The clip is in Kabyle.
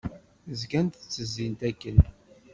Zgant ttezzint akken.